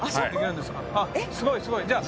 あすごいすごい！じゃあ。